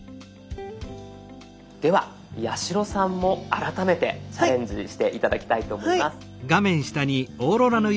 では八代さんも改めてチャレンジして頂きたいと思います。